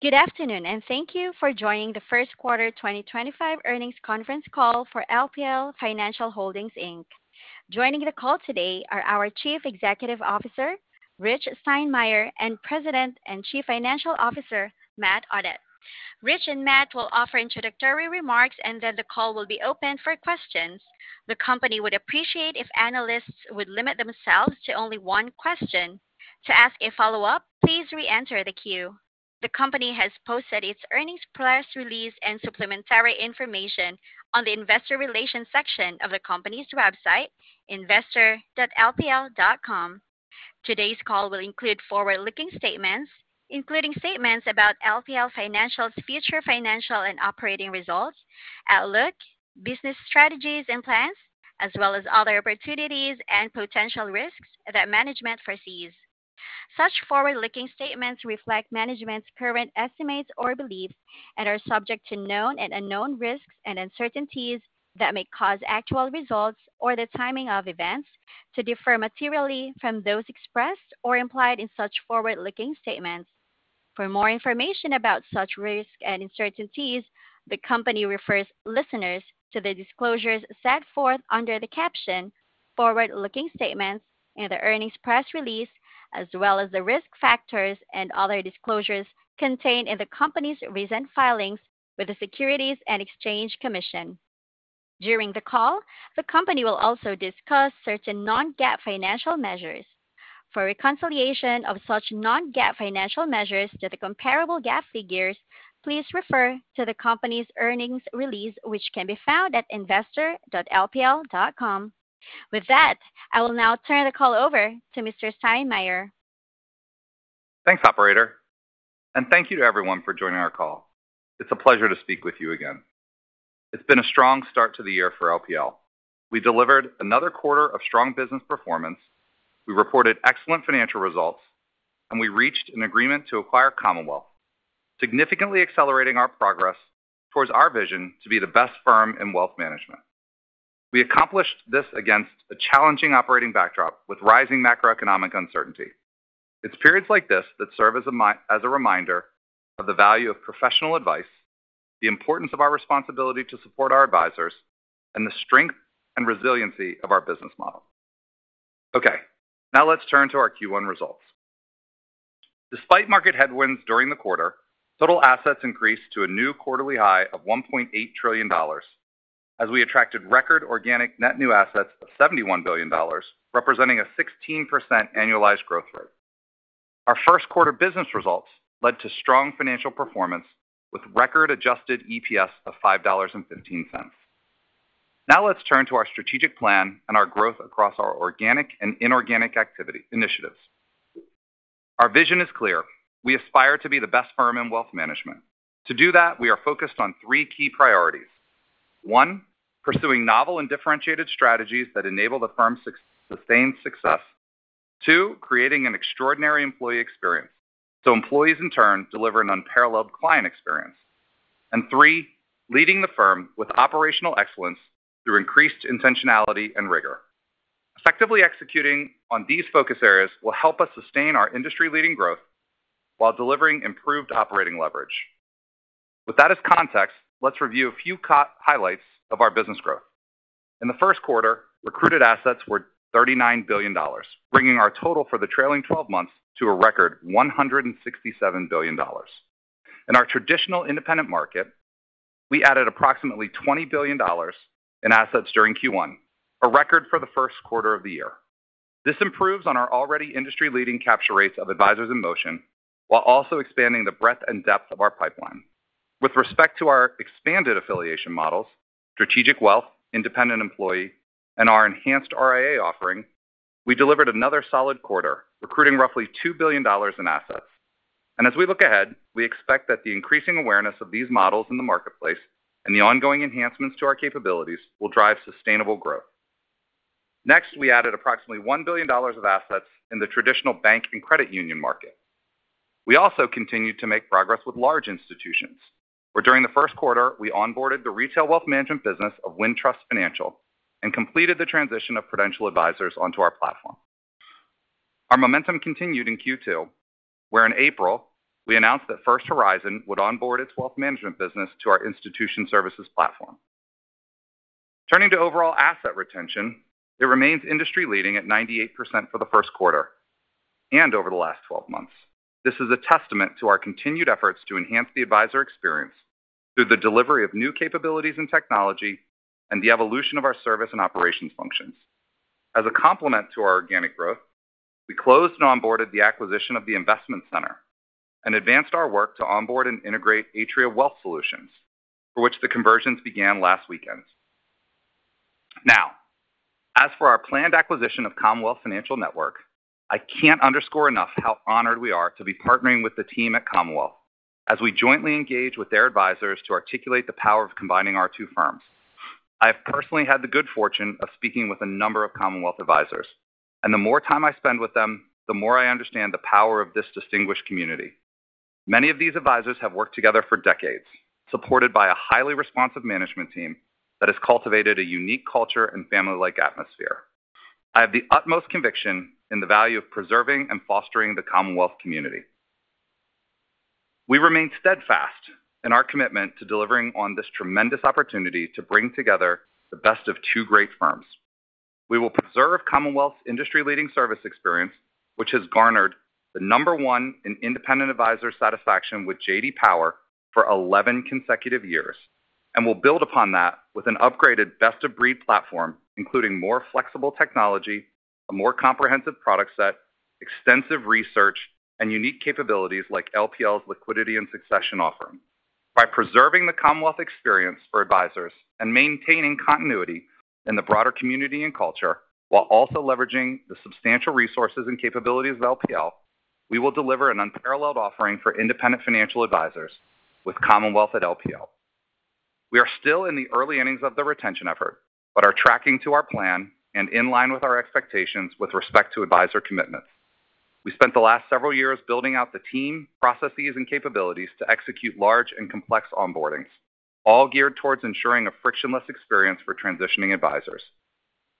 Good afternoon, and thank you for joining the First Quarter 2025 Earnings Conference Call for LPL Financial Holdings, Inc. Joining the call today are our Chief Executive Officer, Rich Steinmeier, and President and Chief Financial Officer, Matt Audette. Rich and Matt will offer introductory remarks, and then the call will be open for questions. The company would appreciate it if analysts would limit themselves to only one question. To ask a follow-up, please re-enter the queue. The company has posted its earnings press release and supplementary information on the investor relations section of the company's website, investor.lpl.com. Today's call will include forward-looking statements, including statements about LPL Financial's future financial and operating results, outlook, business strategies and plans, as well as other opportunities and potential risks that management foresees. Such forward-looking statements reflect management's current estimates or beliefs and are subject to known and unknown risks and uncertainties that may cause actual results or the timing of events to differ materially from those expressed or implied in such forward-looking statements. For more information about such risks and uncertainties, the company refers listeners to the disclosures set forth under the caption, forward-looking statements, in the earnings press release, as well as the risk factors and other disclosures contained in the company's recent filings with the Securities and Exchange Commission. During the call, the company will also discuss certain non-GAAP financial measures. For reconciliation of such non-GAAP financial measures to the comparable GAAP figures, please refer to the company's earnings release, which can be found at investor.lpl.com. With that, I will now turn the call over to Mr. Steinmeier. Thanks, Operator. And thank you to everyone for joining our call. It's a pleasure to speak with you again. It's been a strong start to the year for LPL. We delivered another quarter of strong business performance. We reported excellent financial results, and we reached an agreement to acquire Commonwealth, significantly accelerating our progress towards our vision to be the best firm in wealth management. We accomplished this against a challenging operating backdrop with rising macroeconomic uncertainty. It's periods like this that serve as a reminder of the value of professional advice, the importance of our responsibility to support our advisors, and the strength and resiliency of our business model. Okay, now let's turn to our Q1 results. Despite market headwinds during the quarter, total assets increased to a new quarterly high of $1.8 trillion, as we attracted record organic net new assets of $71 billion, representing a 16% annualized growth rate. Our first quarter business results led to strong financial performance with record adjusted EPS of $5.15. Now let's turn to our strategic plan and our growth across our organic and inorganic activity initiatives. Our vision is clear. We aspire to be the best firm in wealth management. To do that, we are focused on three key priorities. One, pursuing novel and differentiated strategies that enable the firm's sustained success. Two, creating an extraordinary employee experience so employees, in turn, deliver an unparalleled client experience. And three, leading the firm with operational excellence through increased intentionality and rigor. Effectively executing on these focus areas will help us sustain our industry-leading growth while delivering improved operating leverage. With that as context, let's review a few highlights of our business growth. In the first quarter, recruited assets were $39 billion, bringing our total for the trailing 12 months to a record $167 billion. In our traditional independent market, we added approximately $20 billion in assets during Q1, a record for the first quarter of the year. This improves on our already industry-leading capture rates of advisors in motion while also expanding the breadth and depth of our pipeline. With respect to our expanded affiliation models, Strategic Wealth, Independent Employee, and our enhanced RIA offering, we delivered another solid quarter, recruiting roughly $2 billion in assets. And as we look ahead, we expect that the increasing awareness of these models in the marketplace and the ongoing enhancements to our capabilities will drive sustainable growth. Next, we added approximately $1 billion of assets in the traditional bank and credit union market. We also continued to make progress with large institutions, where during the first quarter, we onboarded the retail wealth management business of Wintrust Financial and completed the transition of Prudential Advisors onto our platform. Our momentum continued in Q2, where in April, we announced that First Horizon would onboard its wealth management business to our Institution Services platform. Turning to overall asset retention, it remains industry-leading at 98% for the first quarter and over the last 12 months. This is a testament to our continued efforts to enhance the advisor experience through the delivery of new capabilities and technology and the evolution of our service and operations functions. As a complement to our organic growth, we closed and onboarded the acquisition of The Investment Center and advanced our work to onboard and integrate Atria Wealth Solutions, for which the conversions began last weekend. Now, as for our planned acquisition of Commonwealth Financial Network, I can't underscore enough how honored we are to be partnering with the team at Commonwealth as we jointly engage with their advisors to articulate the power of combining our two firms. I have personally had the good fortune of speaking with a number of Commonwealth advisors, and the more time I spend with them, the more I understand the power of this distinguished community. Many of these advisors have worked together for decades, supported by a highly responsive management team that has cultivated a unique culture and family-like atmosphere. I have the utmost conviction in the value of preserving and fostering the Commonwealth community. We remain steadfast in our commitment to delivering on this tremendous opportunity to bring together the best of two great firms. We will preserve Commonwealth's industry-leading service experience, which has garnered the number one in independent advisor satisfaction with J.D. Power for 11 consecutive years, and will build upon that with an upgraded best-of-breed platform, including more flexible technology, a more comprehensive product set, extensive research, and unique capabilities like LPL's Liquidity & Succession offering. By preserving the Commonwealth experience for advisors and maintaining continuity in the broader community and culture, while also leveraging the substantial resources and capabilities of LPL, we will deliver an unparalleled offering for independent financial advisors with Commonwealth at LPL. We are still in the early innings of the retention effort, but are tracking to our plan and in line with our expectations with respect to advisor commitments. We spent the last several years building out the team, processes, and capabilities to execute large and complex onboardings, all geared toward ensuring a frictionless experience for transitioning advisors.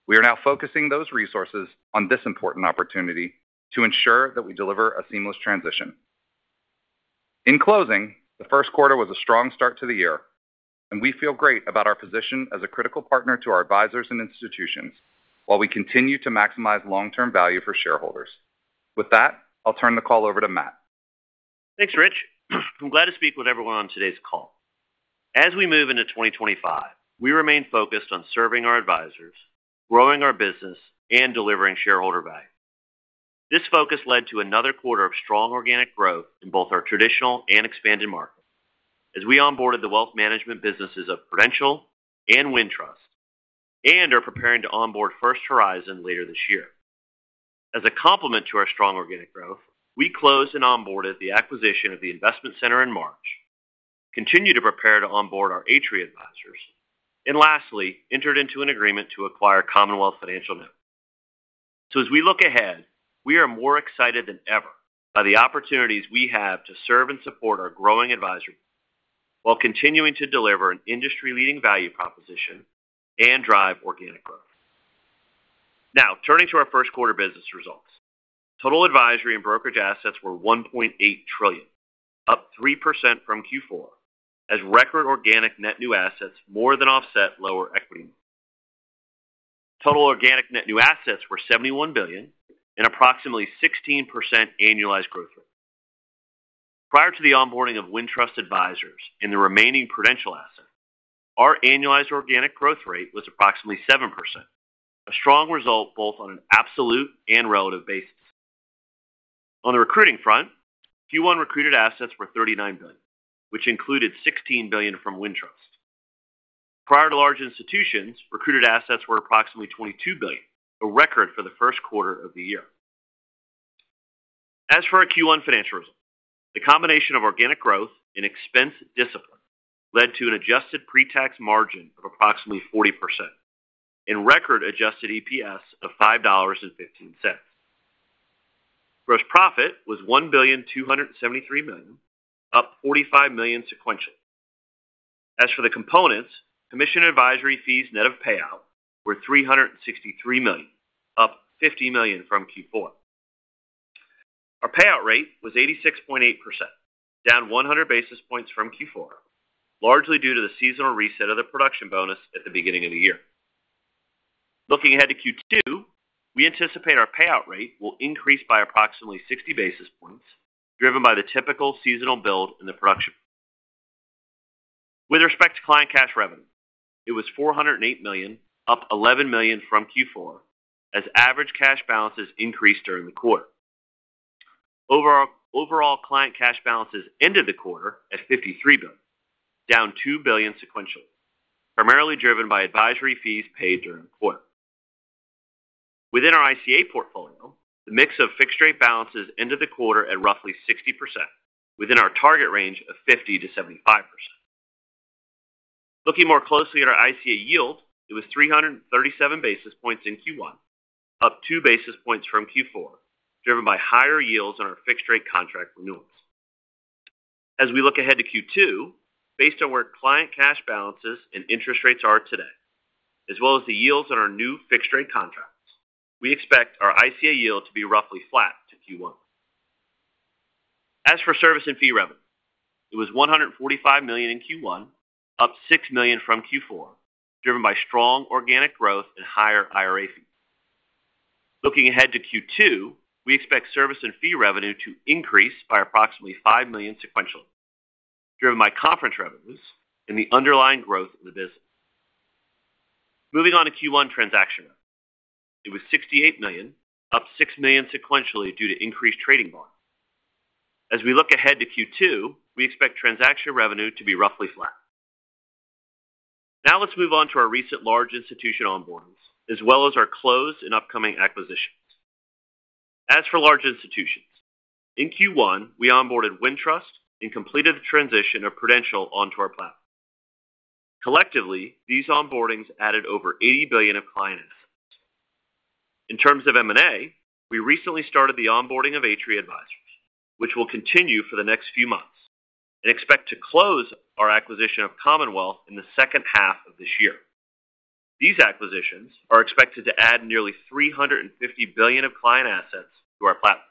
We are now focusing those resources on this important opportunity to ensure that we deliver a seamless transition. In closing, the first quarter was a strong start to the year, and we feel great about our position as a critical partner to our advisors and institutions while we continue to maximize long-term value for shareholders. With that, I'll turn the call over to Matt. Thanks, Rich. I'm glad to speak with everyone on today's call. As we move into 2025, we remain focused on serving our advisors, growing our business, and delivering shareholder value. This focus led to another quarter of strong organic growth in both our traditional and expanded markets as we onboarded the wealth management businesses of Prudential and Wintrust and are preparing to onboard First Horizon later this year. As a complement to our strong organic growth, we closed and onboarded the acquisition of The Investment Center in March, continued to prepare to onboard our Atria Advisors, and lastly, entered into an agreement to acquire Commonwealth Financial Network. So as we look ahead, we are more excited than ever by the opportunities we have to serve and support our growing advisors while continuing to deliver an industry-leading value proposition and drive organic growth. Now, turning to our first quarter business results, total advisory and brokerage assets were $1.8 trillion, up 3% from Q4, as record organic net new assets more than offset lower equity numbers. Total organic net new assets were $71 billion and approximately 16% annualized growth rate. Prior to the onboarding of Wintrust advisors and the remaining Prudential assets, our annualized organic growth rate was approximately 7%, a strong result both on an absolute and relative basis. On the recruiting front, Q1 recruited assets were $39 billion, which included $16 billion from Wintrust. Prior to large institutions, recruited assets were approximately $22 billion, a record for the first quarter of the year. As for our Q1 financial results, the combination of organic growth and expense discipline led to an adjusted pre-tax margin of approximately 40% and record-adjusted EPS of $5.15. Gross profit was $1,273 million, up $45 million sequentially. As for the components, commission advisory fees net of payout were $363 million, up $50 million from Q4. Our payout rate was 86.8%, down 100 basis points from Q4, largely due to the seasonal reset of the production bonus at the beginning of the year. Looking ahead to Q2, we anticipate our payout rate will increase by approximately 60 basis points, driven by the typical seasonal build in the production. With respect to client cash revenue, it was $408 million, up $11 million from Q4, as average cash balances increased during the quarter. Overall client cash balances ended the quarter at $53 billion, down $2 billion sequentially, primarily driven by advisory fees paid during the quarter. Within our ICA portfolio, the mix of fixed-rate balances ended the quarter at roughly 60%, within our target range of 50%-75%. Looking more closely at our ICA yield, it was 337 basis points in Q1, up 2 basis points from Q4, driven by higher yields on our fixed-rate contract renewals. As we look ahead to Q2, based on where client cash balances and interest rates are today, as well as the yields on our new fixed-rate contracts, we expect our ICA yield to be roughly flat to Q1. As for service and fee revenue, it was $145 million in Q1, up $6 million from Q4, driven by strong organic growth and higher IRA fees. Looking ahead to Q2, we expect service and fee revenue to increase by approximately $5 million sequentially, driven by conference revenues and the underlying growth of the business. Moving on to Q1 transaction revenue, it was $68 million, up $6 million sequentially due to increased trading volume. As we look ahead to Q2, we expect transaction revenue to be roughly flat. Now let's move on to our recent large institution onboardings, as well as our closed and upcoming acquisitions. As for large institutions, in Q1, we onboarded Wintrust and completed the transition of Prudential onto our platform. Collectively, these onboardings added over $80 billion of client assets. In terms of M&A, we recently started the onboarding of Atria Advisors, which will continue for the next few months and expect to close our acquisition of Commonwealth in the second half of this year. These acquisitions are expected to add nearly $350 billion of client assets to our platform.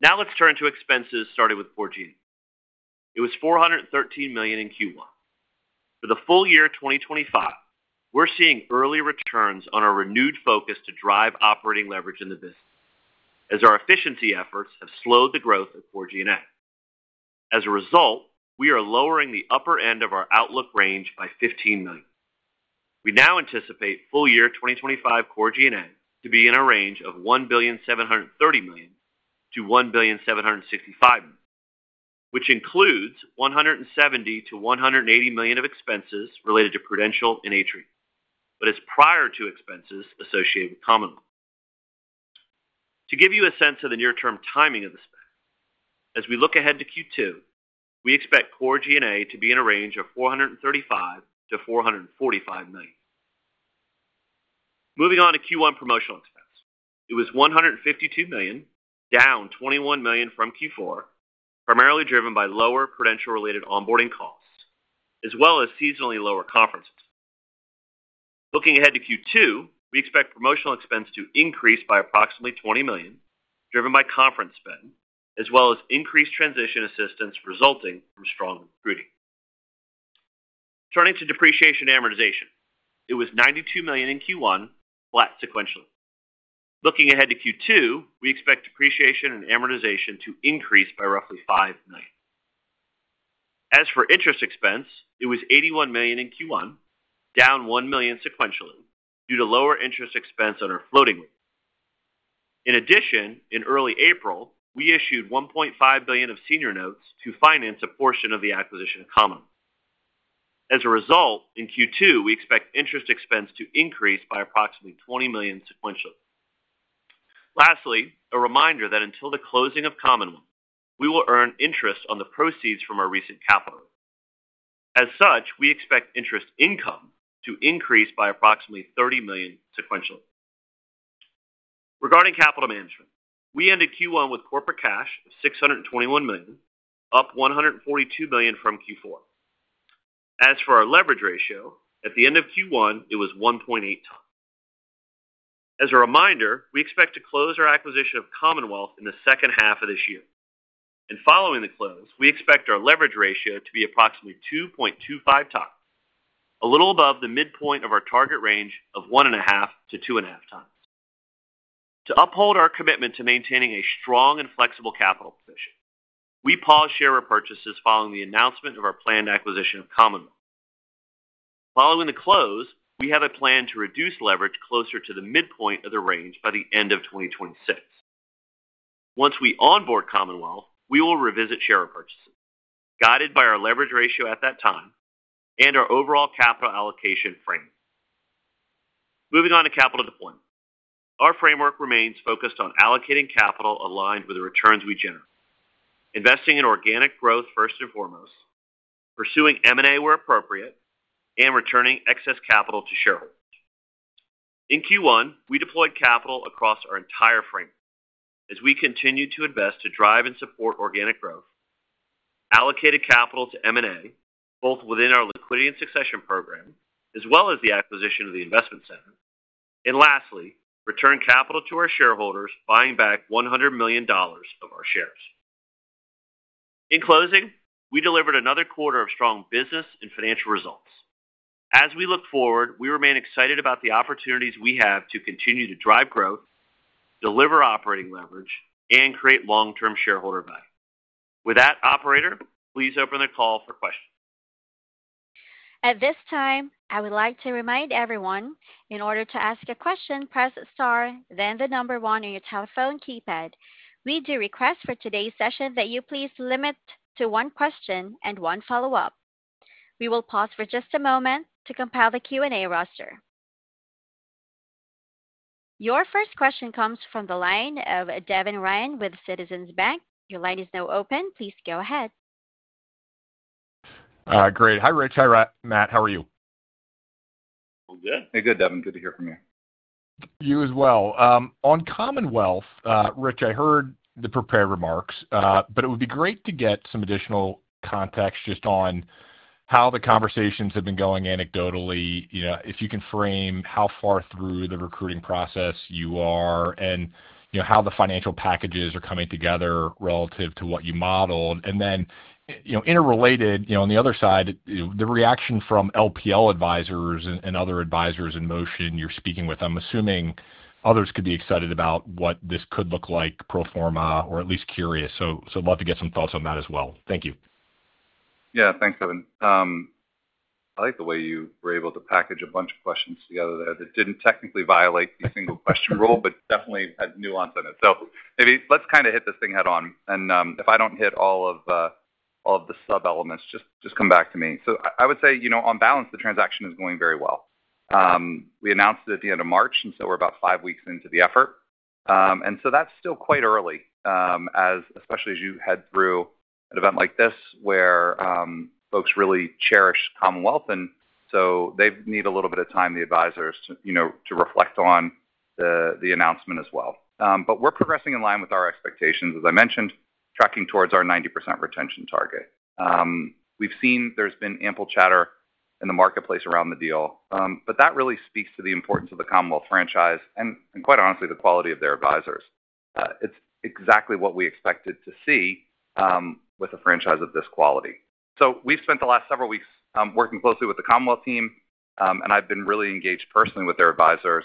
Now let's turn to expenses started with Core G&A. It was $413 million in Q1. For the full year 2025, we're seeing early returns on our renewed focus to drive operating leverage in the business, as our efficiency efforts have slowed the growth of G&A. As a result, we are lowering the upper end of our outlook range by $15 million. We now anticipate full year 2025 G&A to be in a range of $1,730 million-$1,765 million, which includes $170 million-$180 million of expenses related to Prudential and Atria, but prior to expenses associated with Commonwealth. To give you a sense of the near-term timing of the spend, as we look ahead to Q2, we expect G&A to be in a range of $435 million-$445 million. Moving on to Q1 promotional expense, it was $152 million, down $21 million from Q4, primarily driven by lower Prudential-related onboarding costs, as well as seasonally lower conference expenses. Looking ahead to Q2, we expect promotional expense to increase by approximately $20 million, driven by conference spend, as well as increased transition assistance resulting from strong recruiting. Turning to depreciation and amortization, it was $92 million in Q1, flat sequentially. Looking ahead to Q2, we expect depreciation and amortization to increase by roughly $5 million. As for interest expense, it was $81 million in Q1, down $1 million sequentially due to lower interest expense on our floating rate. In addition, in early April, we issued $1.5 billion of senior notes to finance a portion of the acquisition of Commonwealth. As a result, in Q2, we expect interest expense to increase by approximately $20 million sequentially. Lastly, a reminder that until the closing of Commonwealth, we will earn interest on the proceeds from our recent capital raise. As such, we expect interest income to increase by approximately $30 million sequentially. Regarding capital management, we ended Q1 with corporate cash of $621 million, up $142 million from Q4. As for our leverage ratio, at the end of Q1, it was 1.8x. As a reminder, we expect to close our acquisition of Commonwealth in the second half of this year, and following the close, we expect our leverage ratio to be approximately 2.25x, a little above the midpoint of our target range of 1.5x-2.5x. To uphold our commitment to maintaining a strong and flexible capital position, we paused share repurchases following the announcement of our planned acquisition of Commonwealth. Following the close, we have a plan to reduce leverage closer to the midpoint of the range by the end of 2026. Once we onboard Commonwealth, we will revisit share repurchases, guided by our leverage ratio at that time and our overall capital allocation framework. Moving on to capital deployment, our framework remains focused on allocating capital aligned with the returns we generate, investing in organic growth first and foremost, pursuing M&A where appropriate, and returning excess capital to shareholders. In Q1, we deployed capital across our entire framework as we continue to invest to drive and support organic growth, allocated capital to M&A both within our liquidity and succession program, as well as the acquisition of The Investment Center, and lastly, returned capital to our shareholders, buying back $100 million of our shares. In closing, we delivered another quarter of strong business and financial results. As we look forward, we remain excited about the opportunities we have to continue to drive growth, deliver operating leverage, and create long-term shareholder value. With that, Operator, please open the call for questions. At this time, I would like to remind everyone, in order to ask a question, press star, then the number one on your telephone keypad. We do request for today's session that you please limit to one question and one follow-up. We will pause for just a moment to compile the Q&A roster. Your first question comes from the line of Devin Ryan with Citizens JMP Securities. Your line is now open. Please go ahead. Great. Hi, Rich. Hi, Matt. How are you? I'm good. Hey, good, Devin. Good to hear from you. You as well. On Commonwealth, Rich, I heard the prepared remarks, but it would be great to get some additional context just on how the conversations have been going anecdotally, if you can frame how far through the recruiting process you are and how the financial packages are coming together relative to what you modeled. And then interrelated, on the other side, the reaction from LPL advisors and other advisors in motion you're speaking with. I'm assuming others could be excited about what this could look like pro forma or at least curious. So I'd love to get some thoughts on that as well. Thank you. Yeah, thanks, Devin. I like the way you were able to package a bunch of questions together there that didn't technically violate the single question rule, but definitely had nuance in it. So maybe let's kind of hit this thing head-on. And if I don't hit all of the sub-elements, just come back to me. So I would say, on balance, the transaction is going very well. We announced it at the end of March, and so we're about five weeks into the effort. And so that's still quite early, especially as you head through an event like this where folks really cherish Commonwealth. And so they need a little bit of time, the advisors, to reflect on the announcement as well. But we're progressing in line with our expectations, as I mentioned, tracking towards our 90% retention target. We've seen there's been ample chatter in the marketplace around the deal, but that really speaks to the importance of the Commonwealth franchise and, quite honestly, the quality of their advisors. It's exactly what we expected to see with a franchise of this quality. So we've spent the last several weeks working closely with the Commonwealth team, and I've been really engaged personally with their advisors.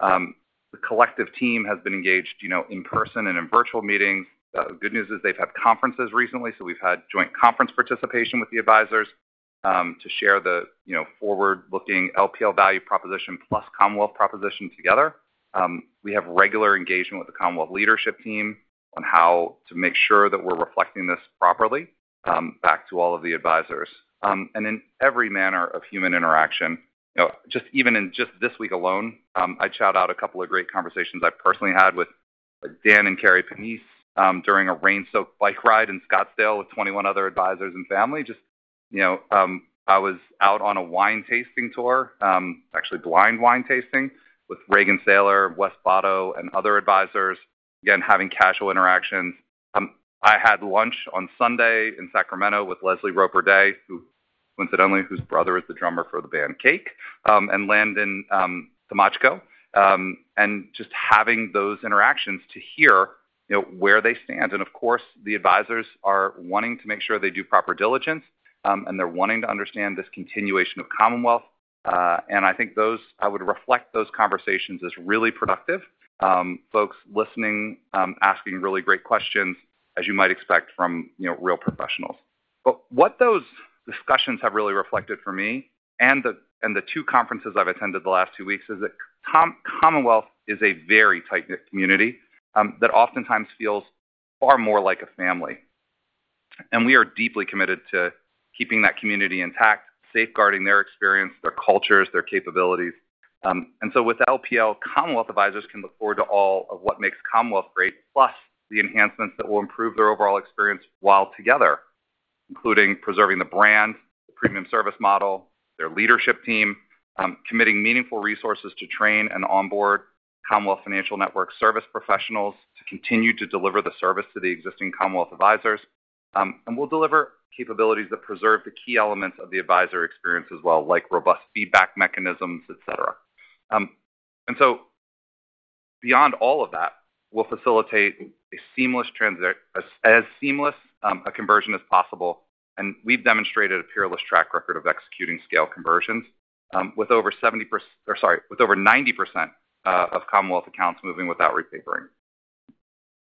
The collective team has been engaged in person and in virtual meetings. The good news is they've had conferences recently, so we've had joint conference participation with the advisors to share the forward-looking LPL value proposition plus Commonwealth proposition together. We have regular engagement with the Commonwealth leadership team on how to make sure that we're reflecting this properly back to all of the advisors. And in every manner of human interaction, just even in just this week alone, I'd shout out a couple of great conversations I've personally had with Dan and Kari Pinese during a rain-soaked bike ride in Scottsdale with 21 other advisors and family. Just I was out on a wine tasting tour, actually blind wine tasting with Reagan Saylor, Wes Botto, and other advisors, again, having casual interactions. I had lunch on Sunday in Sacramento with Leslie Roper Day, coincidentally, whose brother is the drummer for the band Cake, and Landon Tymochko. And just having those interactions to hear where they stand. And of course, the advisors are wanting to make sure they do proper diligence, and they're wanting to understand this continuation of Commonwealth. And I think I would reflect those conversations as really productive, folks listening, asking really great questions, as you might expect from real professionals. But what those discussions have really reflected for me and the two conferences I've attended the last two weeks is that Commonwealth is a very tight-knit community that oftentimes feels far more like a family. And we are deeply committed to keeping that community intact, safeguarding their experience, their cultures, their capabilities. And so with LPL, Commonwealth advisors can look forward to all of what makes Commonwealth great, plus the enhancements that will improve their overall experience while together, including preserving the brand, the premium service model, their leadership team, committing meaningful resources to train and onboard Commonwealth Financial Network service professionals to continue to deliver the service to the existing Commonwealth advisors. And we'll deliver capabilities that preserve the key elements of the advisor experience as well, like robust feedback mechanisms, etc. And so beyond all of that, we'll facilitate as seamless a conversion as possible. And we've demonstrated a peerless track record of executing scale conversions with over 70% or sorry, with over 90% of Commonwealth accounts moving without repapering.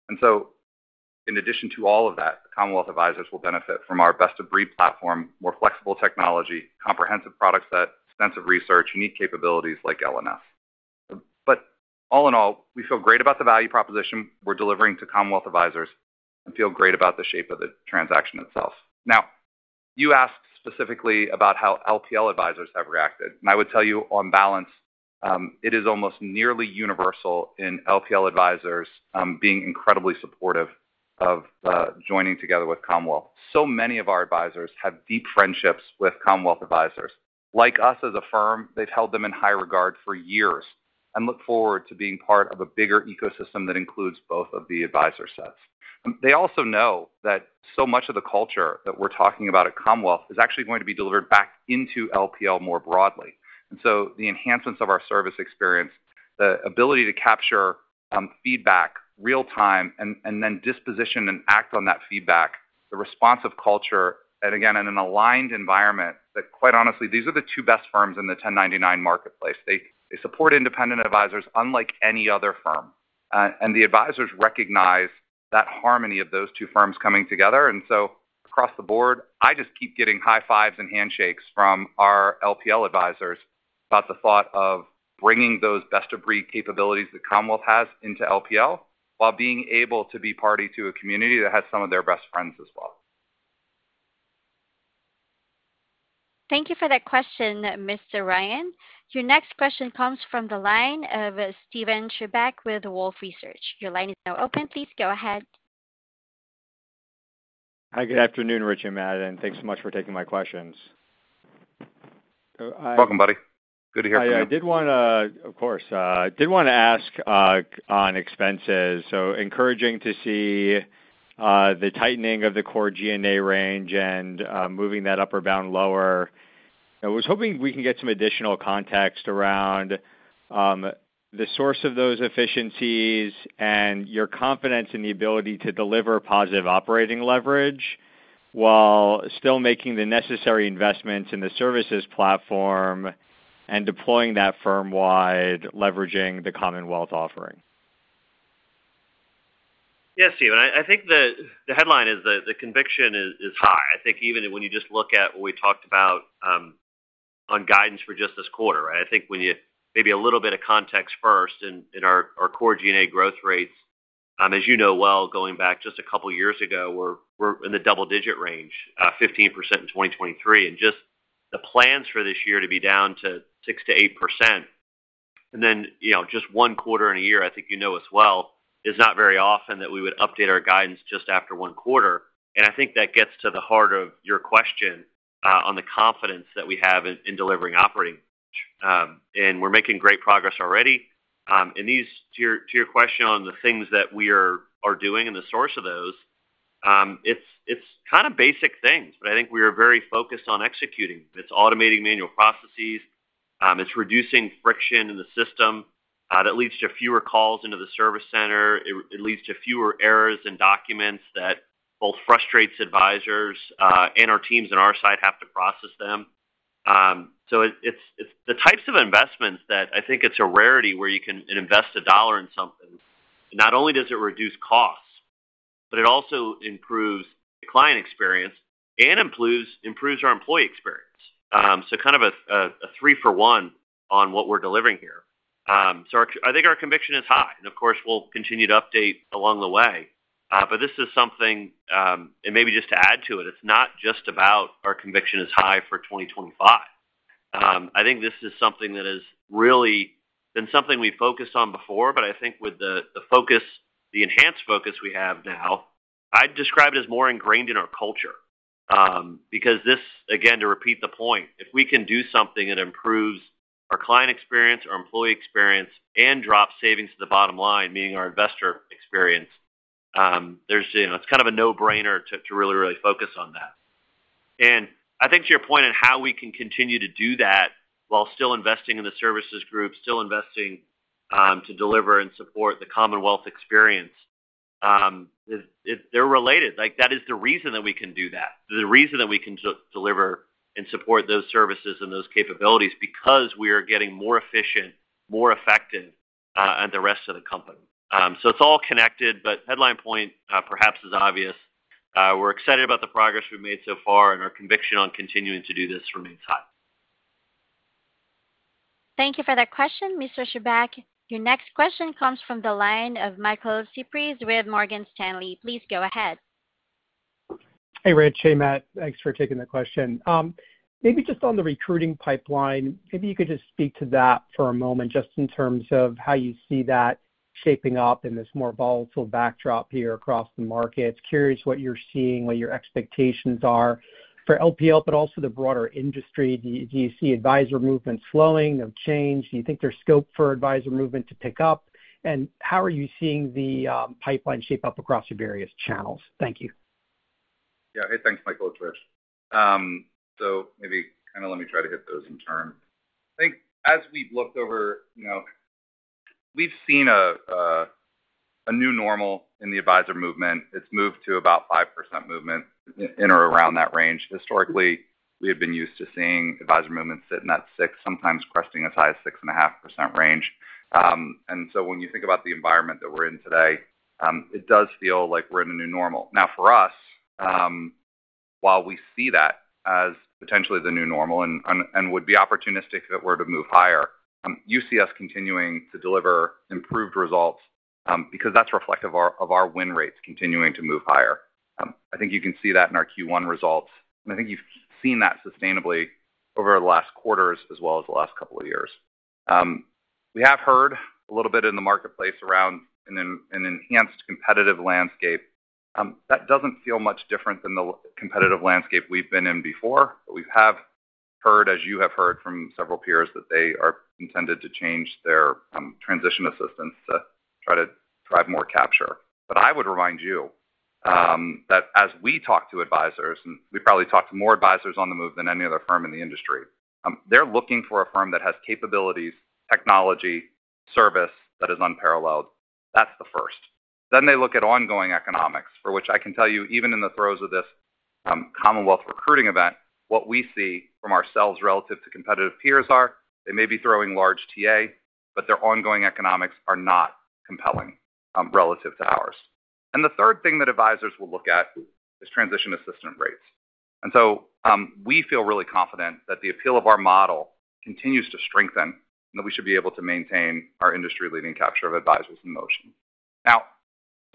And so in addition to all of that, Commonwealth advisors will benefit from our best-of-breed platform, more flexible technology, comprehensive product set, extensive research, unique capabilities like L&S. But all in all, we feel great about the value proposition we're delivering to Commonwealth advisors and feel great about the shape of the transaction itself. Now, you asked specifically about how LPL advisors have reacted. And I would tell you, on balance, it is almost nearly universal in LPL advisors being incredibly supportive of joining together with Commonwealth. So many of our advisors have deep friendships with Commonwealth advisors. Like us as a firm, they've held them in high regard for years and look forward to being part of a bigger ecosystem that includes both of the advisor sets. They also know that so much of the culture that we're talking about at Commonwealth is actually going to be delivered back into LPL more broadly. And so the enhancements of our service experience, the ability to capture feedback real-time and then disposition and act on that feedback, the responsive culture, and again, in an aligned environment that, quite honestly, these are the two best firms in the 1099 marketplace. They support independent advisors unlike any other firm. And the advisors recognize that harmony of those two firms coming together. And so across the board, I just keep getting high fives and handshakes from our LPL advisors about the thought of bringing those best-of-breed capabilities that Commonwealth has into LPL while being able to be party to a community that has some of their best friends as well. Thank you for that question, Mr. Ryan. Your next question comes from the line of Steven Chubak with Wolfe Research. Your line is now open. Please go ahead. Hi, good afternoon, Rich and Matt, and thanks so much for taking my questions. Welcome, buddy. Good to hear from you. Yeah, I did want to, of course, I did want to ask on expenses. So encouraging to see the tightening of the Core G&A range and moving that upper bound lower. I was hoping we can get some additional context around the source of those efficiencies and your confidence in the ability to deliver positive operating leverage while still making the necessary investments in the services platform and deploying that firm-wide, leveraging the Commonwealth offering. Yes, Steven. I think the headline is that the conviction is high. I think even when you just look at what we talked about on guidance for just this quarter, right, I think when you maybe a little bit of context first in our Core G&A growth rates, as you know well, going back just a couple of years ago, we're in the double-digit range, 15% in 2023, and just the plans for this year to be down to 6%-8%, and then just one quarter in a year, I think you know as well, is not very often that we would update our guidance just after one quarter, and I think that gets to the heart of your question on the confidence that we have in delivering operating leverage, and we're making great progress already. And to your question on the things that we are doing and the source of those, it's kind of basic things, but I think we are very focused on executing. It's automating manual processes. It's reducing friction in the system that leads to fewer calls into the service center. It leads to fewer errors and documents that both frustrates advisors and our teams on our side have to process them. So it's the types of investments that I think it's a rarity where you can invest a dollar in something. Not only does it reduce costs, but it also improves the client experience and improves our employee experience. So kind of a three-for-one on what we're delivering here. So I think our conviction is high. And of course, we'll continue to update along the way. But this is something, and maybe just to add to it, it's not just about our conviction is high for 2025. I think this is something that has really been something we focused on before, but I think with the enhanced focus we have now, I'd describe it as more ingrained in our culture. Because this, again, to repeat the point, if we can do something that improves our client experience, our employee experience, and drops savings to the bottom line, meaning our investor experience, it's kind of a no-brainer to really, really focus on that. And I think to your point on how we can continue to do that while still investing in the services group, still investing to deliver and support the Commonwealth experience, they're related. That is the reason that we can do that, the reason that we can deliver and support those services and those capabilities, because we are getting more efficient, more effective at the rest of the company, so it's all connected, but headline point perhaps is obvious. We're excited about the progress we've made so far, and our conviction on continuing to do this remains high. Thank you for that question, Mr. Chubak. Your next question comes from the line of Michael Cyprys with Morgan Stanley. Please go ahead. Hey, Rich. Hey, Matt. Thanks for taking the question. Maybe just on the recruiting pipeline, maybe you could just speak to that for a moment just in terms of how you see that shaping up in this more volatile backdrop here across the markets. Curious what you're seeing, what your expectations are for LPL, but also the broader industry. Do you see advisor movement slowing or changing? Do you think there's scope for advisor movement to pick up? And how are you seeing the pipeline shape up across your various channels? Thank you. Yeah. Hey, thanks, Michael, it's Rich. So maybe kind of let me try to hit those in turn. I think as we've looked over, we've seen a new normal in the advisor movement. It's moved to about 5% movement in or around that range. Historically, we have been used to seeing advisor movement sit in that 6%, sometimes cresting as high as 6.5% range. And so when you think about the environment that we're in today, it does feel like we're in a new normal. Now, for us, while we see that as potentially the new normal and would be opportunistic if it were to move higher, you see us continuing to deliver improved results because that's reflective of our win rates continuing to move higher. I think you can see that in our Q1 results. And I think you've seen that sustainably over the last quarters as well as the last couple of years. We have heard a little bit in the marketplace around an enhanced competitive landscape. That doesn't feel much different than the competitive landscape we've been in before. But we have heard, as you have heard from several peers, that they are intended to change their transition assistance to try to drive more capture. But I would remind you that as we talk to advisors, and we probably talk to more advisors on the move than any other firm in the industry, they're looking for a firm that has capabilities, technology, service that is unparalleled. That's the first. Then they look at ongoing economics, for which I can tell you, even in the throes of this Commonwealth recruiting event, what we see from ourselves relative to competitive peers are, they may be throwing large TA, but their ongoing economics are not compelling relative to ours. And the third thing that advisors will look at is transition assistance rates. And so we feel really confident that the appeal of our model continues to strengthen and that we should be able to maintain our industry-leading capture of advisors in motion. Now,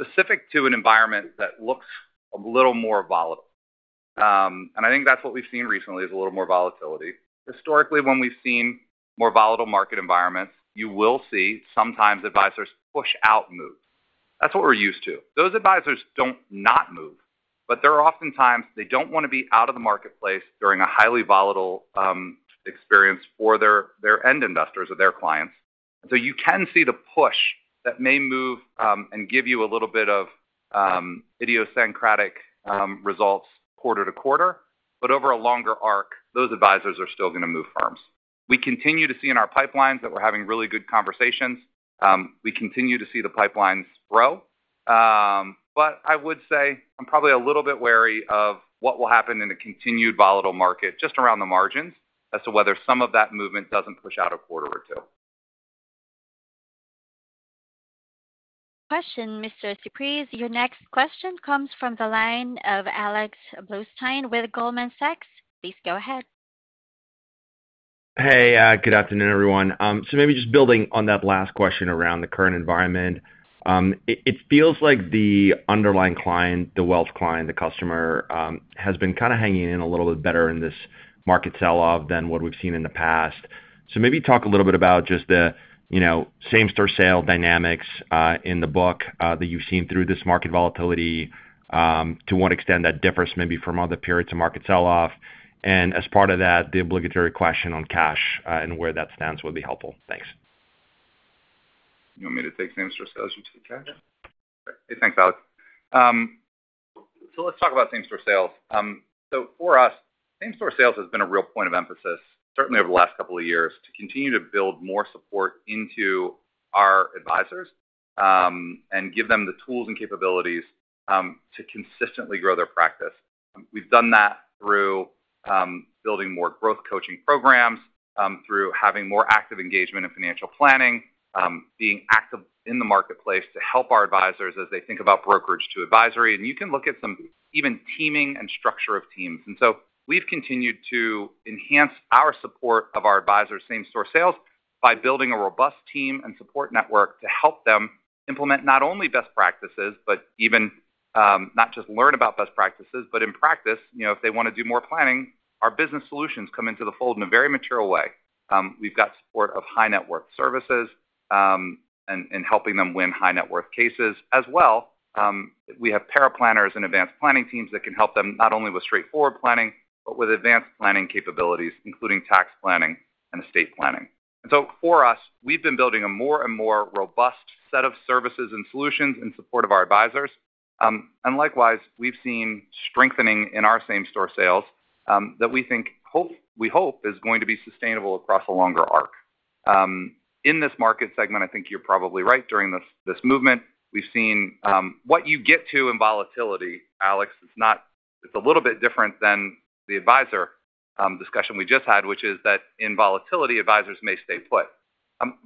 specific to an environment that looks a little more volatile, and I think that's what we've seen recently is a little more volatility. Historically, when we've seen more volatile market environments, you will see sometimes advisors push out moves. That's what we're used to. Those advisors don't not move, but they're oftentimes don't want to be out of the marketplace during a highly volatile experience for their end investors or their clients. And so you can see the push that may move and give you a little bit of idiosyncratic results quarter-to-quarter. But over a longer arc, those advisors are still going to move firms. We continue to see in our pipelines that we're having really good conversations. We continue to see the pipelines grow. But I would say I'm probably a little bit wary of what will happen in a continued volatile market just around the margins as to whether some of that movement doesn't push out a quarter or two. Question, Mr. Cyprys. Your next question comes from the line of Alex Blostein with Goldman Sachs. Please go ahead. Hey, good afternoon, everyone. So maybe just building on that last question around the current environment, it feels like the underlying client, the wealth client, the customer has been kind of hanging in a little bit better in this market selloff than what we've seen in the past. So maybe talk a little bit about just the same-store sale dynamics in the book that you've seen through this market volatility, to what extent that differs maybe from other periods of market selloff? And as part of that, the obligatory question on cash and where that stands would be helpful. Thanks. You want me to take same-store sales? You take cash? Hey, thanks, Alex. So let's talk about same-store sales. So for us, same-store sales has been a real point of emphasis, certainly over the last couple of years, to continue to build more support into our advisors and give them the tools and capabilities to consistently grow their practice. We've done that through building more growth coaching programs, through having more active engagement in financial planning, being active in the marketplace to help our advisors as they think about brokerage to advisory. And you can look at some even teaming and structure of teams. And so we've continued to enhance our support of our advisors, same-store sales, by building a robust team and support network to help them implement not only best practices, but even not just learn about best practices, but in practice, if they want to do more planning, our Business Solutions come into the fold in a very mature way. We've got support of High Net Worth Services in helping them win high-net-worth cases as well. We have paraplanners and advanced planning teams that can help them not only with straightforward planning, but with advanced planning capabilities, including tax planning and estate planning. And so for us, we've been building a more and more robust set of services and solutions in support of our advisors. And likewise, we've seen strengthening in our same-store sales that we think we hope is going to be sustainable across a longer arc. In this market segment, I think you're probably right. During this movement, we've seen what you get to in volatility, Alex, it's a little bit different than the advisor discussion we just had, which is that in volatility, advisors may stay put.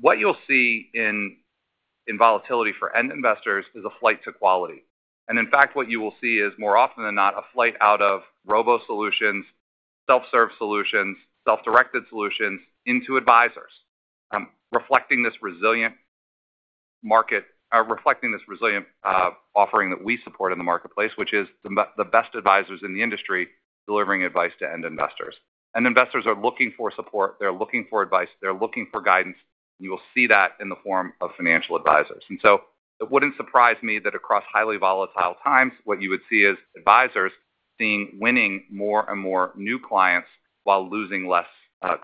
What you'll see in volatility for end investors is a flight to quality. And in fact, what you will see is more often than not a flight out of robo solutions, self-serve solutions, self-directed solutions into advisors, reflecting this resilient market, reflecting this resilient offering that we support in the marketplace, which is the best advisors in the industry delivering advice to end investors. End investors are looking for support. They're looking for advice. They're looking for guidance. And you will see that in the form of financial advisors. And so it wouldn't surprise me that across highly volatile times, what you would see is advisors seeing winning more and more new clients while losing less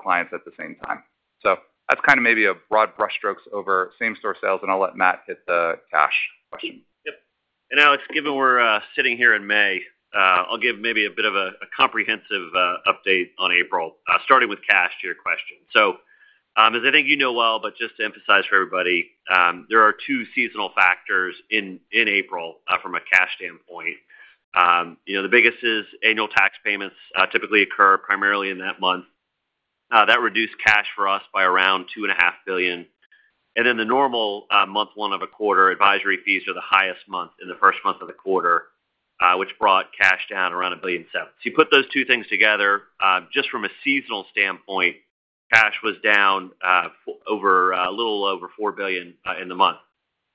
clients at the same time. So that's kind of maybe a broad brushstrokes over same-store sales. And I'll let Matt hit the cash question. Yep. And Alex, given we're sitting here in May, I'll give maybe a bit of a comprehensive update on April, starting with cash to your question. So as I think you know well, but just to emphasize for everybody, there are two seasonal factors in April from a cash standpoint. The biggest is annual tax payments typically occur primarily in that month. That reduced cash for us by around $2.5 billion. And then the normal month one of a quarter, advisory fees are the highest month in the first month of the quarter, which brought cash down around $1.7 billion. So you put those two things together, just from a seasonal standpoint, cash was down a little over $4 billion in the month.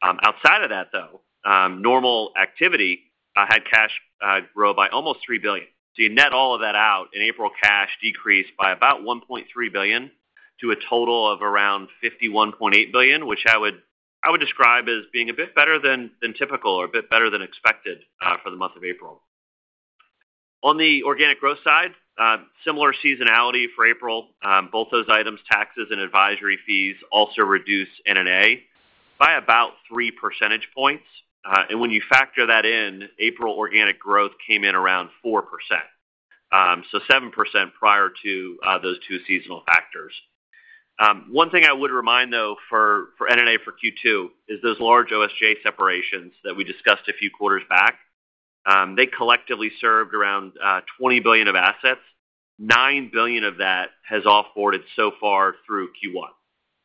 Outside of that, though, normal activity had cash grow by almost $3 billion. So you net all of that out, in April, cash decreased by about $1.3 billion to a total of around $51.8 billion, which I would describe as being a bit better than typical or a bit better than expected for the month of April. On the organic growth side, similar seasonality for April. Both those items, taxes and advisory fees, also reduced M&A by about 3 percentage points. When you factor that in, April organic growth came in around 4%, so 7% prior to those two seasonal factors. One thing I would remind, though, for M&A for Q2 is those large OSJ separations that we discussed a few quarters back. They collectively served around $20 billion of assets. $9 billion of that has offboarded so far through Q1.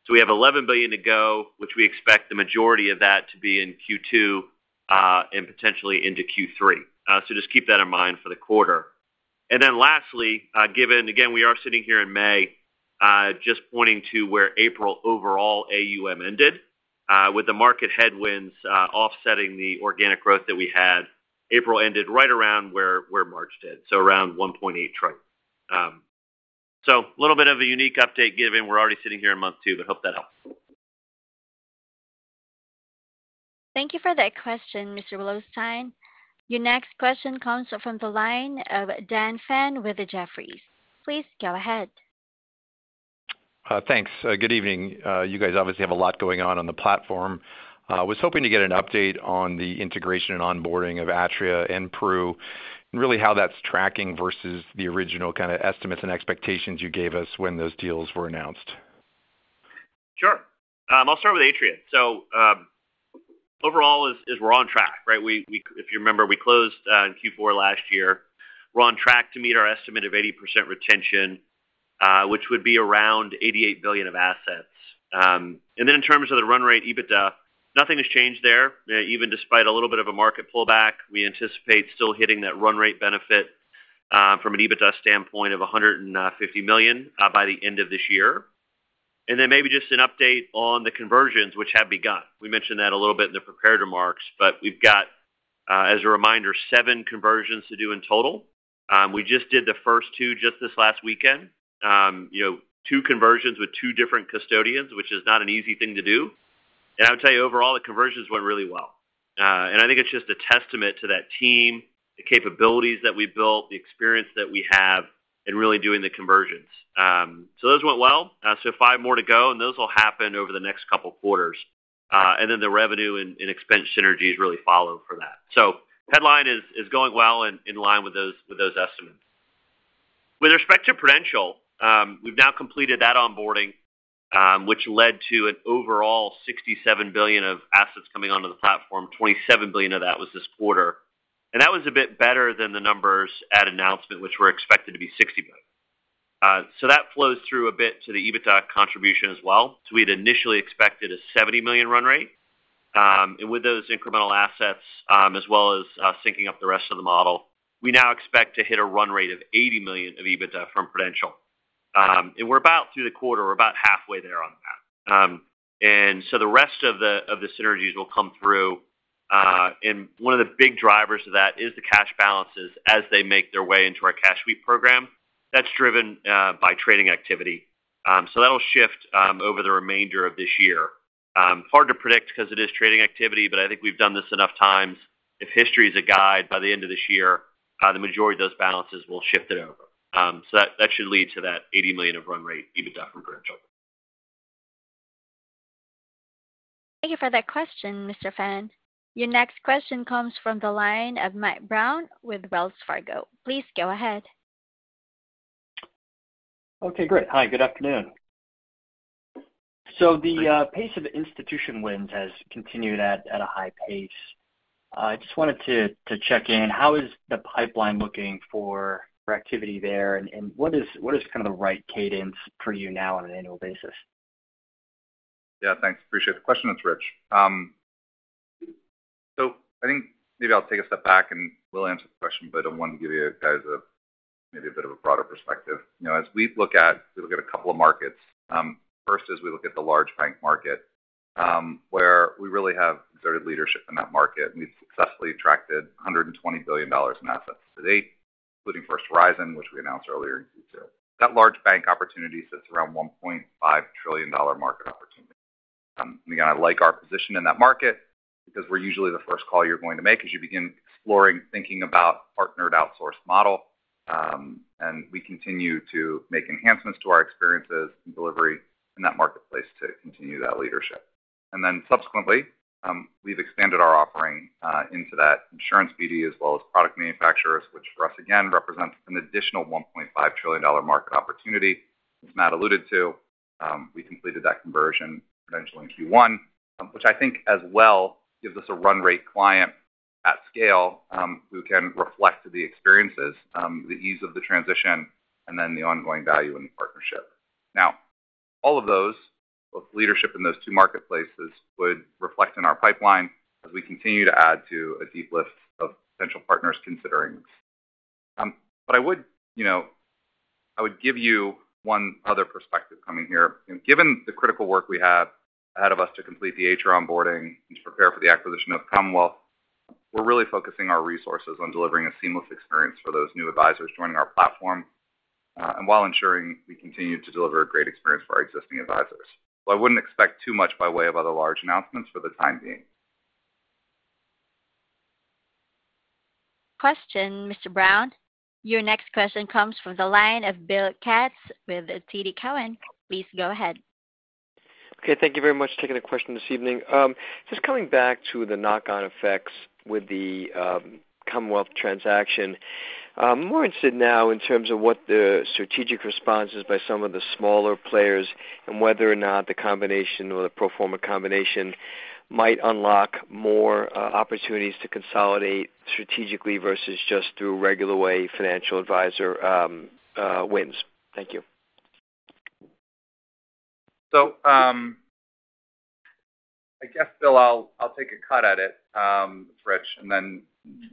So we have $11 billion to go, which we expect the majority of that to be in Q2 and potentially into Q3. So just keep that in mind for the quarter. And then lastly, given, again, we are sitting here in May, just pointing to where April overall AUM ended, with the market headwinds offsetting the organic growth that we had, April ended right around where March did, so around $1.8 trillion. So a little bit of a unique update given. We're already sitting here in month two, but hope that helps. Thank you for that question, Mr. Blostein. Your next question comes from the line of Dan Fannon with Jefferies. Please go ahead. Thanks. Good evening. You guys obviously have a lot going on on the platform. I was hoping to get an update on the integration and onboarding of Atria and Prudential and really how that's tracking versus the original kind of estimates and expectations you gave us when those deals were announced. Sure. I'll start with Atria. So overall, we're on track, right? If you remember, we closed in Q4 last year. We're on track to meet our estimate of 80% retention, which would be around $88 billion of assets. And then in terms of the run rate, EBITDA, nothing has changed there. Even despite a little bit of a market pullback, we anticipate still hitting that run rate benefit from an EBITDA standpoint of $150 million by the end of this year. And then maybe just an update on the conversions, which have begun. We mentioned that a little bit in the prepared remarks, but we've got, as a reminder, seven conversions to do in total. We just did the first two just this last weekend, two conversions with two different custodians, which is not an easy thing to do. And I would tell you overall, the conversions went really well. I think it's just a testament to that team, the capabilities that we built, the experience that we have in really doing the conversions. So those went well. So five more to go, and those will happen over the next couple of quarters. And then the revenue and expense synergies really follow for that. So headline is going well in line with those estimates. With respect to Prudential, we've now completed that onboarding, which led to an overall $67 billion of assets coming onto the platform, $27 billion of that was this quarter. And that was a bit better than the numbers at announcement, which were expected to be $60 billion. So that flows through a bit to the EBITDA contribution as well. So we had initially expected a $70 million run rate. And with those incremental assets, as well as syncing up the rest of the model, we now expect to hit a run rate of $80 million of EBITDA from Prudential. And we're about through the quarter. We're about halfway there on that. And so the rest of the synergies will come through. And one of the big drivers of that is the cash balances as they make their way into our cash sweep program. That's driven by trading activity. So that'll shift over the remainder of this year. Hard to predict because it is trading activity, but I think we've done this enough times. If history is a guide, by the end of this year, the majority of those balances will shift it over. So that should lead to that $80 million of run rate EBITDA from Prudential. Thank you for that question, Mr. Fannon. Your next question comes from the line of Mike Brown with Wells Fargo. Please go ahead. Okay. Great. Hi. Good afternoon. So the pace of institution wins has continued at a high pace. I just wanted to check in. How is the pipeline looking for activity there, and what is kind of the right cadence for you now on an annual basis? Yeah. Thanks. Appreciate the question. It's Rich. So I think maybe I'll take a step back and will answer the question, but I wanted to give you guys maybe a bit of a broader perspective. As we look at a couple of markets, first is we look at the large bank market, where we really have exerted leadership in that market. We've successfully attracted $120 billion in assets to date, including First Horizon, which we announced earlier in Q2. That large bank opportunity sits around $1.5 trillion market opportunity. And again, I like our position in that market because we're usually the first call you're going to make as you begin exploring, thinking about a partnered outsourced model. And we continue to make enhancements to our experiences and delivery in that marketplace to continue that leadership. Then subsequently, we've expanded our offering into that insurance suite as well as product manufacturers, which for us, again, represents an additional $1.5 trillion market opportunity, as Matt alluded to. We completed that conversion eventually in Q1, which I think as well gives us a run rate client at scale who can reflect the experiences, the ease of the transition, and then the ongoing value in the partnership. Now, all of those, both leadership in those two marketplaces, would reflect in our pipeline as we continue to add to a deep list of potential partners considering this. But I would give you one other perspective coming here. Given the critical work we have ahead of us to complete the Atria onboarding and to prepare for the acquisition of Commonwealth, we're really focusing our resources on delivering a seamless experience for those new advisors joining our platform, and while ensuring we continue to deliver a great experience for our existing advisors. So I wouldn't expect too much by way of other large announcements for the time being. Question, Mr. Brown. Your next question comes from the line of Bill Katz with TD Cowen. Please go ahead. Okay. Thank you very much for taking the question this evening. Just coming back to the knock-on effects with the Commonwealth transaction, I'm more interested now in terms of what the strategic response is by some of the smaller players and whether or not the combination or the pro forma combination might unlock more opportunities to consolidate strategically versus just through regular way financial advisor wins. Thank you. So I guess, Bill, I'll take a cut at it, it's Rich, and then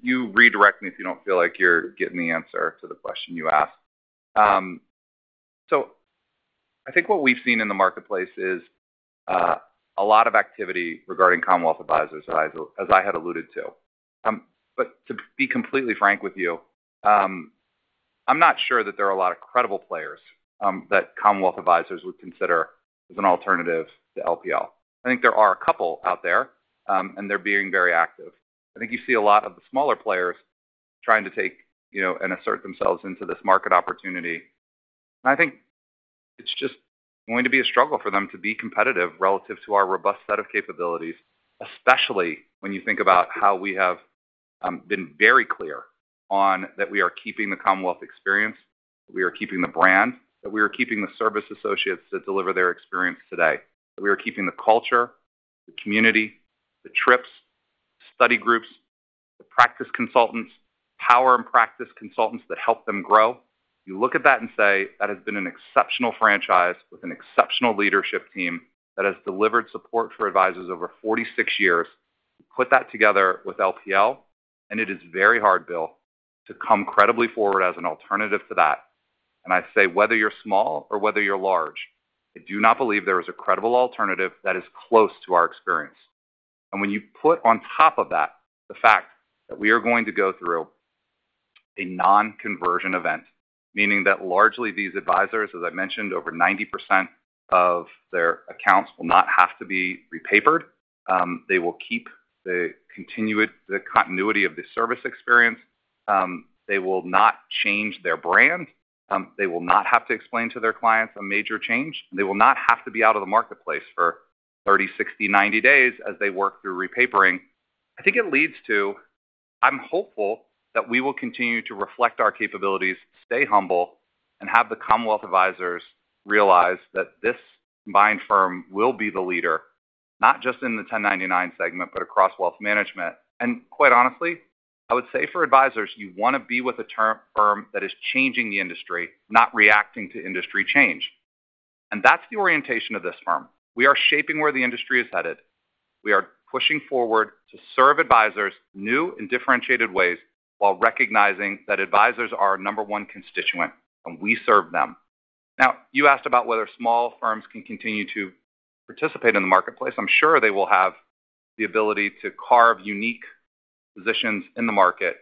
you redirect me if you don't feel like you're getting the answer to the question you asked. So I think what we've seen in the marketplace is a lot of activity regarding Commonwealth advisors, as I had alluded to. But to be completely frank with you, I'm not sure that there are a lot of credible players that Commonwealth advisors would consider as an alternative to LPL. I think there are a couple out there, and they're being very active. I think you see a lot of the smaller players trying to take and assert themselves into this market opportunity. And I think it's just going to be a struggle for them to be competitive relative to our robust set of capabilities, especially when you think about how we have been very clear on that we are keeping the Commonwealth experience, that we are keeping the brand, that we are keeping the service associates that deliver their experience today, that we are keeping the culture, the community, the trips, study groups, the practice consultants, our practice consultants that help them grow. You look at that and say, that has been an exceptional franchise with an exceptional leadership team that has delivered support for advisors over 46 years. You put that together with LPL, and it is very hard, Bill, to come credibly forward as an alternative to that. And I say, whether you're small or whether you're large, I do not believe there is a credible alternative that is close to our experience. And when you put on top of that the fact that we are going to go through a non-conversion event, meaning that largely these advisors, as I mentioned, over 90% of their accounts will not have to be repapered. They will keep the continuity of the service experience. They will not change their brand. They will not have to explain to their clients a major change. They will not have to be out of the marketplace for 30, 60, 90 days as they work through repapering. I think it leads to, I'm hopeful that we will continue to reflect our capabilities, stay humble, and have the Commonwealth advisors realize that this combined firm will be the leader, not just in the 1099 segment, but across wealth management. And quite honestly, I would say for advisors, you want to be with a firm that is changing the industry, not reacting to industry change. And that's the orientation of this firm. We are shaping where the industry is headed. We are pushing forward to serve advisors in new and differentiated ways while recognizing that advisors are our number one constituent, and we serve them. Now, you asked about whether small firms can continue to participate in the marketplace. I'm sure they will have the ability to carve unique positions in the market.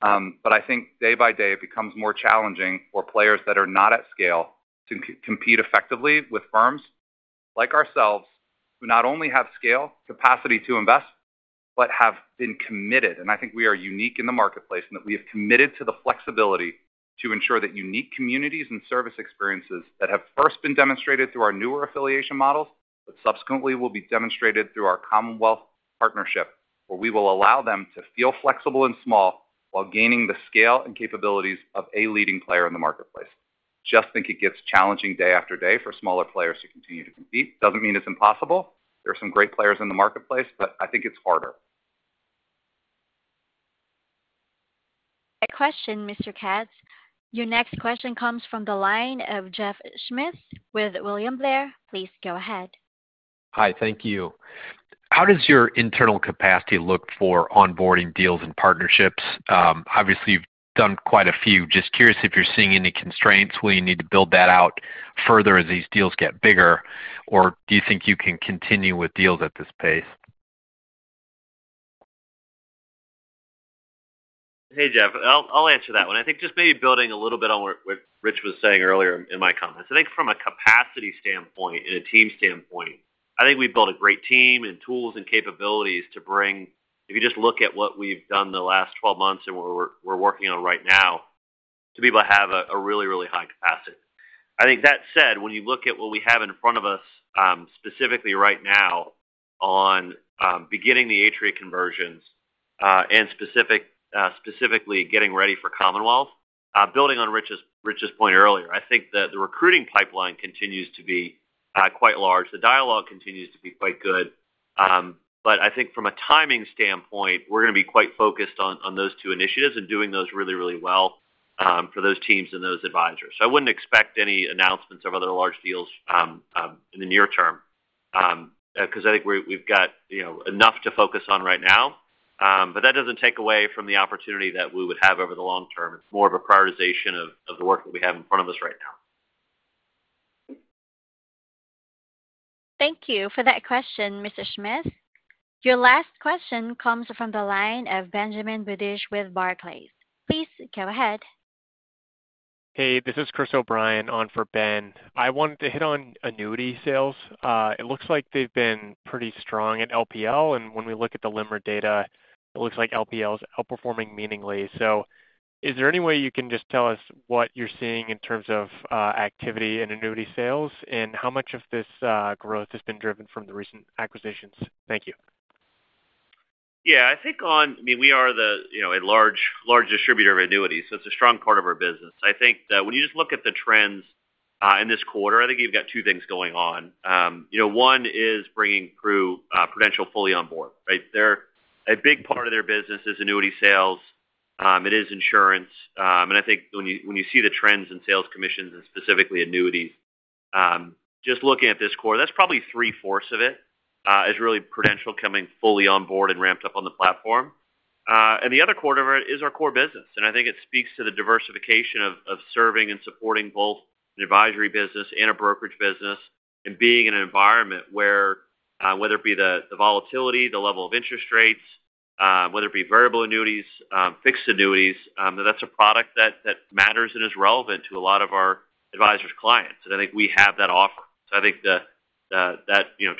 But I think day by day it becomes more challenging for players that are not at scale to compete effectively with firms like ourselves, who not only have scale, capacity to invest, but have been committed. I think we are unique in the marketplace in that we have committed to the flexibility to ensure that unique communities and service experiences that have first been demonstrated through our newer affiliation models, but subsequently will be demonstrated through our Commonwealth partnership, where we will allow them to feel flexible and small while gaining the scale and capabilities of a leading player in the marketplace. I just think it gets challenging day after day for smaller players to continue to compete. It doesn't mean it's impossible. There are some great players in the marketplace, but I think it's harder. A question, Mr. Katz. Your next question comes from the line of Jeff Schmitt with William Blair. Please go ahead. Hi. Thank you. How does your internal capacity look for onboarding deals and partnerships? Obviously, you've done quite a few. Just curious if you're seeing any constraints where you need to build that out further as these deals get bigger, or do you think you can continue with deals at this pace? Hey, Jeff. I'll answer that one. I think just maybe building a little bit on what Rich was saying earlier in my comments. I think from a capacity standpoint and a team standpoint, I think we've built a great team and tools and capabilities to bring if you just look at what we've done the last 12 months and what we're working on right now, to be able to have a really, really high capacity. I think that said, when you look at what we have in front of us specifically right now on beginning the Atria conversions and specifically getting ready for Commonwealth, building on Rich's point earlier, I think that the recruiting pipeline continues to be quite large. The dialogue continues to be quite good. But I think from a timing standpoint, we're going to be quite focused on those two initiatives and doing those really, really well for those teams and those advisors. So I wouldn't expect any announcements of other large deals in the near term because I think we've got enough to focus on right now. But that doesn't take away from the opportunity that we would have over the long term. It's more of a prioritization of the work that we have in front of us right now. Thank you for that question, Mr. Schmitt. Your last question comes from the line of Benjamin Budish with Barclays. Please go ahead. Hey, this is Chris O'Brien on for Ben. I wanted to hit on annuity sales. It looks like they've been pretty strong at LPL, and when we look at the LIMRA data, it looks like LPL is outperforming meaningfully, so is there any way you can just tell us what you're seeing in terms of activity in annuity sales and how much of this growth has been driven from the recent acquisitions? Thank you. Yeah. I think, I mean, we are a large distributor of annuities, so it's a strong part of our business. I think that when you just look at the trends in this quarter, I think you've got two things going on. One is bringing Prudential fully on board, right? A big part of their business is annuity sales. It is insurance. And I think when you see the trends in sales commissions and specifically annuities, just looking at this quarter, that's probably three-fourths of it is really Prudential coming fully on board and ramped up on the platform. And the other quarter of it is our core business. And I think it speaks to the diversification of serving and supporting both an advisory business and a brokerage business and being in an environment where, whether it be the volatility, the level of interest rates, whether it be variable annuities, fixed annuities, that that's a product that matters and is relevant to a lot of our advisors' clients. And I think we have that offer. So I think that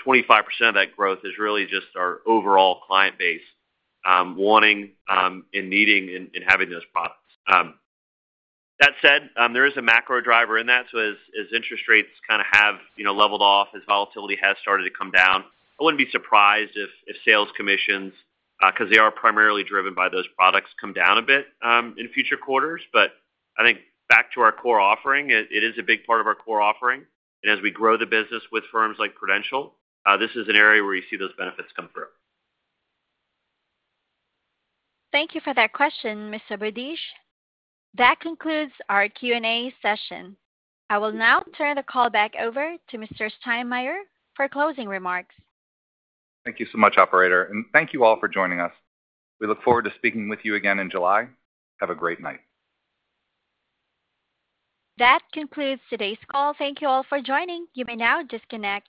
25% of that growth is really just our overall client base wanting and needing and having those products. That said, there is a macro driver in that. So as interest rates kind of have leveled off, as volatility has started to come down, I wouldn't be surprised if sales commissions, because they are primarily driven by those products, come down a bit in future quarters. But I think back to our core offering, it is a big part of our core offering. And as we grow the business with firms like Prudential, this is an area where you see those benefits come through. Thank you for that question, Mr. Budish. That concludes our Q&A session. I will now turn the call back over to Mr. Steinmeier for closing remarks. Thank you so much, operator. And thank you all for joining us. We look forward to speaking with you again in July. Have a great night. That concludes today's call. Thank you all for joining. You may now disconnect.